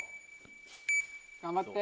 頑張って。